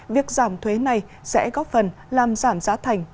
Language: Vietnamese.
việc giảm thuế này sẽ góp phần làm giảm giá thành